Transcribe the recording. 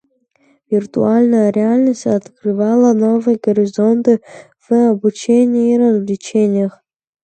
Виртуальная реальность открывала новые горизонты в обучении и развлечениях.